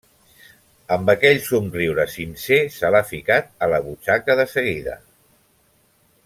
Amb aquell somriure sincer se l'ha ficat a la butxaca de seguida.